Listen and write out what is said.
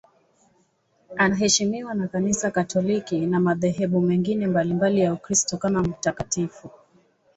Anaheshimiwa na Kanisa Katoliki na madhehebu mengine mbalimbali ya Ukristo kama mtakatifu.